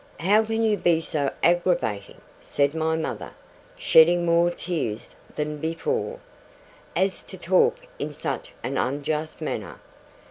'How can you be so aggravating,' said my mother, shedding more tears than before, 'as to talk in such an unjust manner!